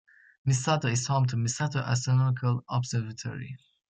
Misato is home to Misato Astronomical observatory.